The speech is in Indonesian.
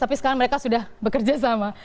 tapi sekarang mereka sudah bekerja sama